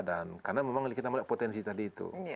dan karena memang kita melihat potensi tadi itu